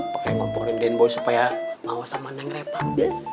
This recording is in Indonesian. pake ngomporin dane boy supaya mau sama neng repah